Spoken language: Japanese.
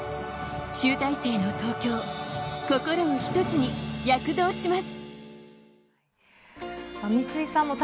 集大成の東京、心をひとつに躍動します。